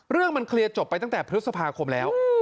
เรื่องมันเคลียร์จบไปตั้งแต่พฤษภาคมแล้ว